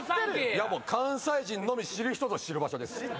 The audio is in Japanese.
関西人のみ知る人ぞ知る場所です。